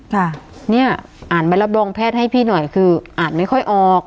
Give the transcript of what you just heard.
ค่ะเนี่ยอ่านใบรับรองแพทย์ให้พี่หน่อยคืออ่านไม่ค่อยออก